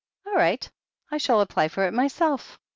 "All right. I shall apply for it myself.